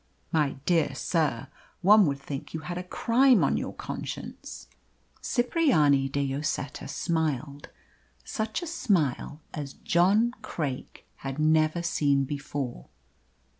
"My dear sir, one would think you had a crime on your conscience." Cipriani de Lloseta smiled such a smile as John Craik had never seen before.